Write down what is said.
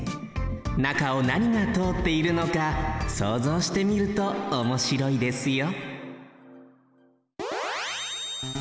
中をなにがとおっているのかそうぞうしてみるとおもしろいですよ